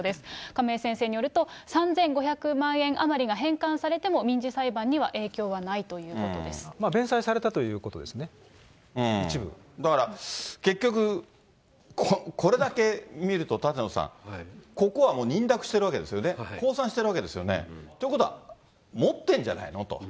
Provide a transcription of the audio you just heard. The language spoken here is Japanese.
亀井先生によると、３５００万円余りが返還されても民事裁判には弁済されたということですね、だから、結局、これだけ見ると、舘野さん、ここはもう認諾してるわけですよね、降参してるわけですよね。ということは、持ってんじゃないのと。